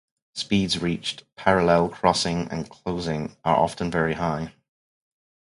Speeds reached, parallel, crossing and closing, are often very high.